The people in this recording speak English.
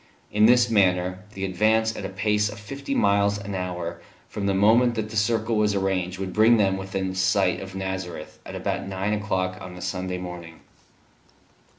In this manner the advance at a pace of fifty miles an hour from the moment that the circle was arranged would bring them within sight of Nazareth at about nine o'clock on the Sunday morning.